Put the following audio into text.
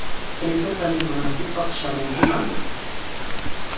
Aychata mikunanchikpaq shamunkiman.